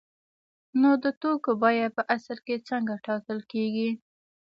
نو د توکو بیه په اصل کې څنګه ټاکل کیږي؟